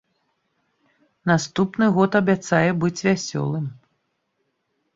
Наступны год абяцае быць вясёлым.